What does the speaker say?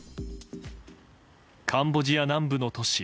カンボジア南部の都市